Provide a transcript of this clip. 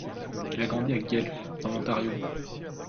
Il a grandi à Guelph dans l'Ontario.